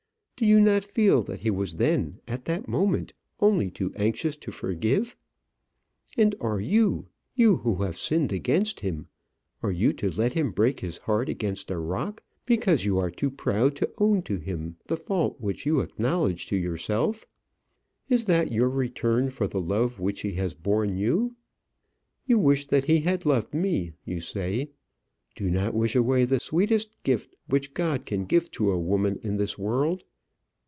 Do you not feel that he was then at that moment only too anxious to forgive? And are you, you who have sinned against him, are you to let him break his heart against a rock, because you are too proud to own to him the fault which you acknowledge to yourself? Is that your return for the love which he has borne you? You wish that he had loved me, you say. Do not wish away the sweetest gift which God can give to a woman in this world.